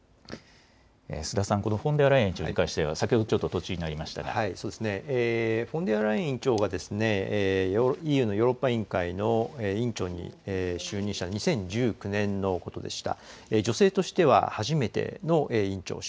須田さん、このフォンデアライエン委員長に関しては先ほどちょっと途中になフォンデアライエン委員長が、ＥＵのヨーロッパ委員会の委員長に就任したのは２０１９年のことでした。